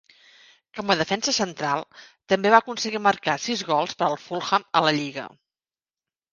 Com a defensa central també va aconseguir marcar sis gols per al Fulham a la lliga.